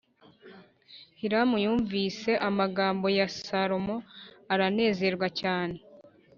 Hiramu yumvise amagambo ya Salomo aranezerwa cyane